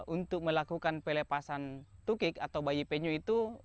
untuk melakukan pelepasan tukik atau bayi penyu itu